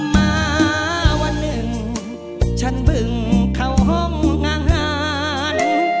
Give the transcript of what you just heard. มาวันหนึ่งฉันบึงเข้าห้องอาหาร